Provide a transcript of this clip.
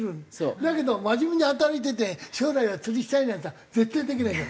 だけど真面目に働いてて「将来は釣りしたい」なんて絶対できないから。